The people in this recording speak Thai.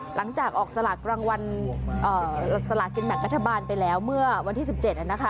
หลังจากออกสลากรางวัลสลากินแบ่งรัฐบาลไปแล้วเมื่อวันที่๑๗นะคะ